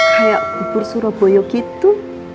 kayak kubur surabaya gitu